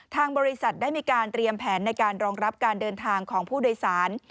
ทางบริษัทได้มีการเตรียมแผนในการรองรับการเดินทางของผู้โดยสาร